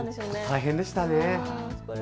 大変でしたね。